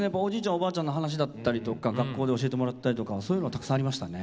おばあちゃんの話だったりとか学校で教えてもらったりとかそういうのはたくさんありましたね。